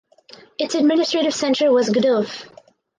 Its administrative centre was Gdov.